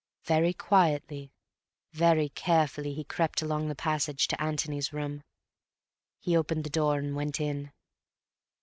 Very quietly, very carefully he crept along the passage to Antony's room. He opened the door and went in.